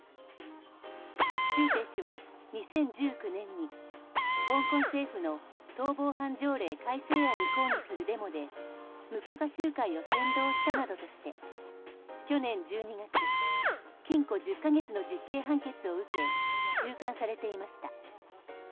シュウ・テイ氏は２０１９年に香港政府の逃亡犯条例改正案に抗議するデモで無許可集会を扇動したなどとして去年１２月禁錮１０か月の実刑判決を受け収監されていました。